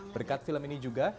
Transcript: berkat film ini juga